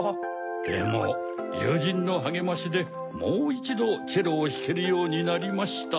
でもゆうじんのはげましでもういちどチェロをひけるようになりました。